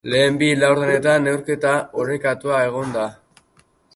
Lehen bi laurdenetan neurketa orekatua egon da.